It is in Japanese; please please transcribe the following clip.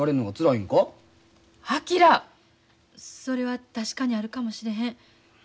それは確かにあるかもしれへん。